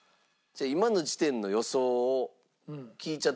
今の時点の予想を聞いちゃっていいですか？